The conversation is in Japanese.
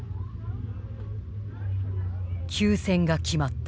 休戦が決まった。